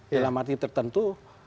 dalam arti tertentu